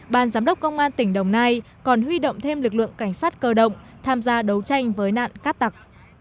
ban giám đốc công an tỉnh đồng nai còn huy động thêm lực lượng cảnh sát cơ động tham gia đấu tranh với nạn cát tặc